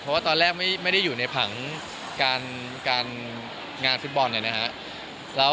เพราะว่าตอนแรกไม่ได้อยู่ในผังงานฟิตบอลอย่างนี้ฮะ